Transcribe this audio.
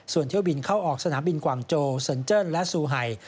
ส่วนเที่ยวบินเข้าออกสนามบินกวางโจเซินเจิ้นและซูไฮ